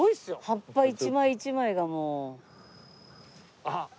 葉っぱ一枚一枚がもう。